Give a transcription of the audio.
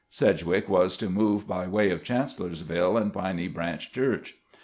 Sedg wick was to move by way of Chancellorsville and Piney Branch Church.